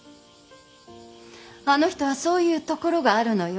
あの人はそういうところがあるのよ。